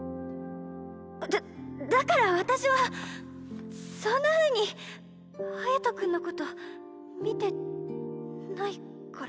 だだから私はそんなふうに隼君のこと見てないから。